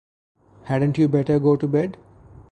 Hadn't you better go to bed?